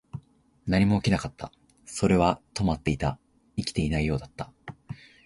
何も起きなかった。それは止まっていた。生きていないようだった。